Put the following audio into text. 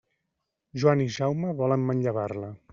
Joan i Jaume volen manllevar-la.